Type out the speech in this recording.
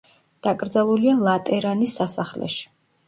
დაკრძალულია ლატერანის სასახლეში.